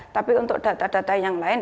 tapi untuk data data yang lain